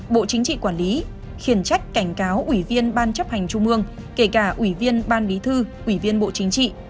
bộ chính trị quản lý khiển trách cảnh cáo ủy viên ban chấp hành trung mương kể cả ủy viên ban bí thư ủy viên bộ chính trị